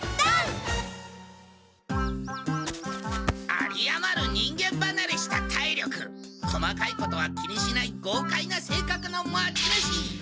有りあまる人間ばなれした体力細かいことは気にしないごうかいなせいかくの持ち主。